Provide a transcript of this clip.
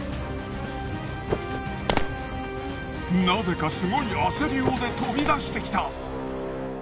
なぜかすごい焦りようで飛び出してきた。